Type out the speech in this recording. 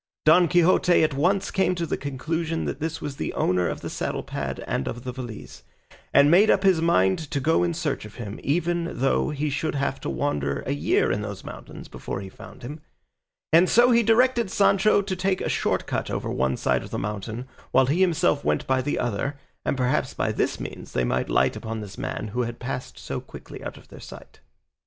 Don Quixote at once came to the conclusion that this was the owner of the saddle pad and of the valise, and made up his mind to go in search of him, even though he should have to wander a year in those mountains before he found him, and so he directed Sancho to take a short cut over one side of the mountain, while he himself went by the other, and perhaps by this means they might light upon this man who had passed so quickly out of their sight.